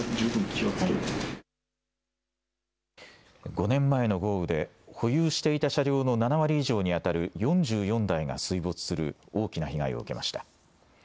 ５年前の豪雨で保有していた車両の７割以上に当たる４４台が水没する大きな被害を受けました。